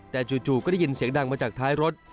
แต่จู่ก็ได้ยินเสียงดังมาจากท้ายรถ